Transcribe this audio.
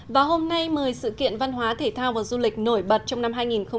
và hôm nay một mươi sự kiện văn hóa thể thao và du lịch nổi bật trong năm hai nghìn một mươi chín